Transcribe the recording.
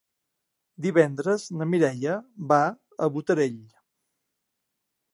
Divendres na Mireia va a Botarell.